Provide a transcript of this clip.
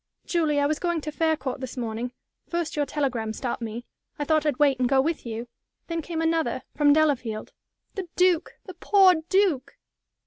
"Julie, I was going to Faircourt this morning. First your telegram stopped me. I thought I'd wait and go with you. Then came another, from Delafield. The Duke! The poor Duke!"